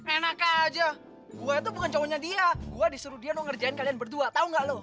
enak aja gue itu bukan cowoknya dia gue disuruh dia mau ngerjain kalian berdua tau gak loh